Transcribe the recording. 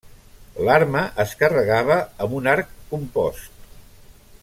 L'arma es carregava amb un arc compost.